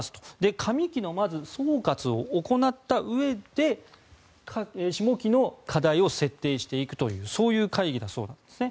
上期の総括を行ったうえで下期の課題を設定していくという会議だそうです。